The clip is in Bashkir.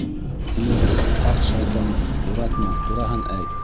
Һин, ҡарт шайтан, уратма, тураһын әйт!